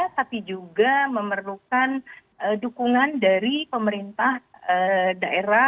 tapi juga memerlukan dukungan dari pemerintah daerah